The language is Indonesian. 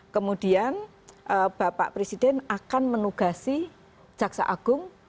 kemudian bapak presiden akan menugasi jaksa agung